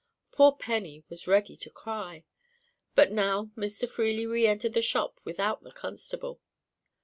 Poor Penny was ready to cry. But now Mr. Freely re entered the shop without the constable.